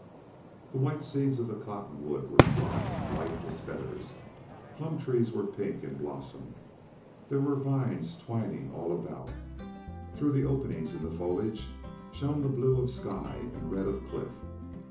The white seeds of the cottonwoods were flying light as feathers; plum trees were pink in blossom; there were vines twining all about; through the openings in the foliage shone the blue of sky and red of cliff.